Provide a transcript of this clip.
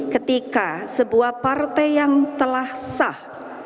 ketika sebuah partai yang telah sah